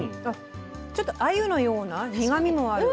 ちょっとあゆのような苦みもある。